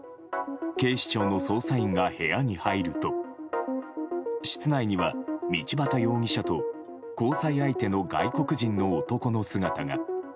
警視庁の捜査員が部屋に入ると室内には道端容疑者と交際相手の外国人の男の姿が。